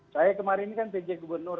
saya kemarin ini kan pj gubernur